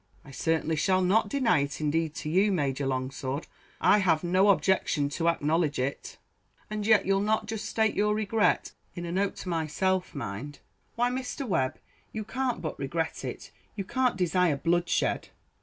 "I certainly shall not deny it; indeed to you, Major Longsword, I have no objection to acknowledge it." "And yet you'll not just state your regret in a note to myself mind! Why, Mr. Webb, you can't but regret it; you can't desire bloodshed."